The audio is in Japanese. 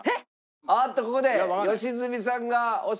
あっとここで良純さんが押しました！